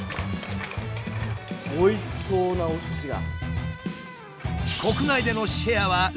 おいしそうなおすしが。